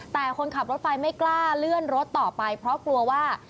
แต่คนขับรถไฟไม่กล้าเลื่อนรถต่อไปเพราะกลัวว่า